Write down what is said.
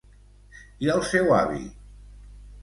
I el seu avi?